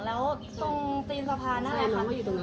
แล้วตรงตีนสะพานนั่นแหละค่ะ